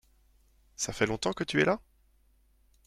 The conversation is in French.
Ça fait longtemps que tu es là ?